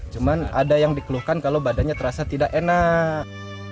cuma ada yang dikeluhkan kalau badannya terasa tidak enak